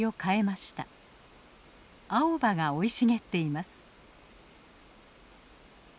青葉が生い茂っています。